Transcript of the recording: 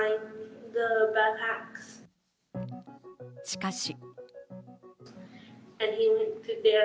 しかし。